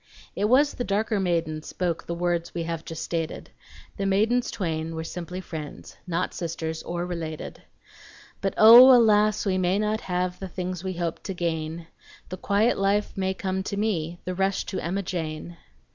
(It was the darker maiden spoke The words we just have stated; The maidens twain were simply friends, Not sisters, or related.) But O! alas! we may not have The things we hope to gain. The quiet life may come to me, The rush to Emma Jane!